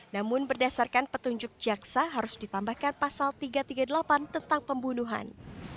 namun berdasarkan petunjuk jaksa harus ditambahkan pasal tiga ratus tiga puluh delapan tentang pembunuhan